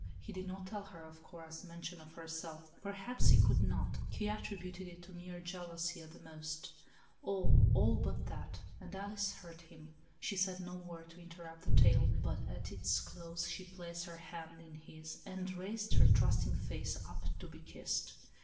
he did not tell her of Cora's mention of herself; perhaps he could not; / 86 ALICE; OR, THE WAGES OF SIN. he attributed it to mere jealousy, at the most) — all — all but that; and Alice heard him. She said no word to interrupt the tale, but at its close she placed her hand in his, and raised her trust ing face up to be kissed.